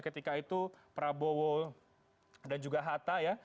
ketika itu prabowo dan juga hatta ya